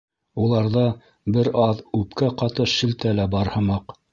Уларҙа бер аҙ үпкә ҡатыш шелтә лә бар һымаҡ.